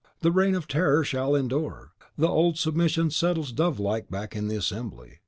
The reign of Terror shall endure! The old submission settles dovelike back in the assembly!